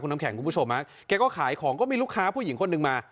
น้ำแข็งคุณผู้ชมฮะแกก็ขายของก็มีลูกค้าผู้หญิงคนหนึ่งมา